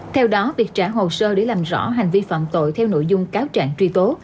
theo đó việc trả hồ sơ để làm rõ hành vi phạm tội theo nội dung cáo trạng truy tố